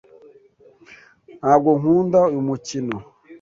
Ntabwo nkunda uyu mukino.